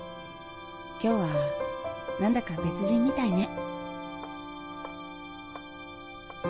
今日は何だか別人みたいね。